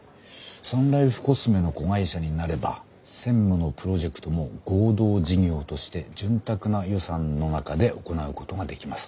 サンライフコスメの子会社になれば専務のプロジェクトも合同事業として潤沢な予算の中で行うことができます。